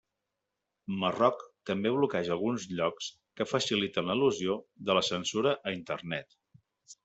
Marroc també bloqueja alguns llocs que faciliten l'elusió de la censura a internet.